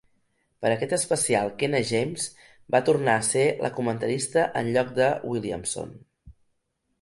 Per a aquest especial Kenna James va tornar a ser la comentarista enlloc de Williamson.